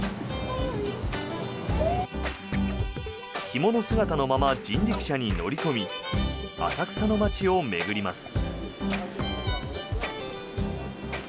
着物姿のまま人力車に乗り込み浅草の街を巡ります。